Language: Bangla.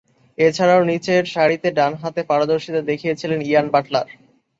এছাড়াও, নিচেরসারিতে ডানহাতে পারদর্শীতা দেখিয়েছেন ইয়ান বাটলার।